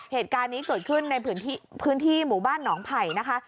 เหตุการณ์นี้เกิดขึ้นในพื้นที่หมู่บ้านหนองไผ่นะคะ